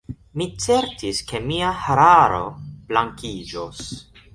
Mi certis ke mia hararo blankiĝos.